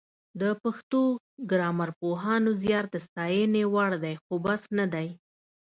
د پښتو ګرامرپوهانو زیار د ستاینې وړ دی خو بس نه دی